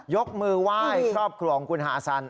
ยกมือไหว้ครอบครัวของคุณฮาซัน